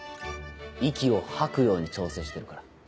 息を吐くように調整してるから。